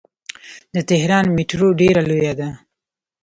د تهران میټرو ډیره لویه ده.